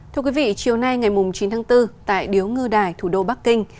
thưa quý vị chiều nay ngày chín tháng bốn tại điếu ngư đài thủ đô bắc kinh